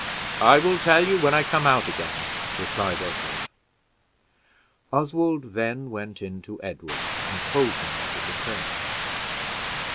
"I will tell you when I come out again," replied Oswald. Oswald then went in to Edward, and told him what had occurred.